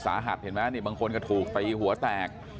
เห็นไหมนี่บางคนก็ถูกตีหัวแตก